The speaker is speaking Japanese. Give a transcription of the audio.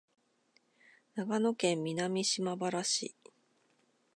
長崎県南島原市